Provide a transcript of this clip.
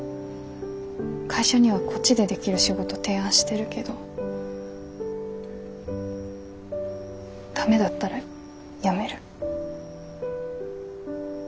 会社にはこっちでできる仕事提案してるけど駄目だったら辞める。